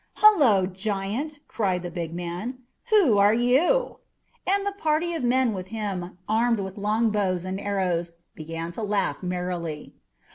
] "Hullo, giant!" cried the big man, "who are you?" And the party of men with him, armed with long bows and arrows, began to laugh merrily.